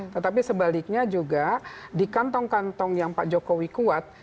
tetapi sebaliknya juga di kantong kantong yang pak jokowi kuat